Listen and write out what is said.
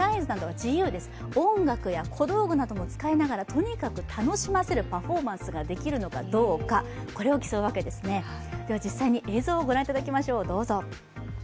とにかく楽しませるパフォーマンスができるのかどうか、これを競うわけです、実際に映像をご覧いただきましょう。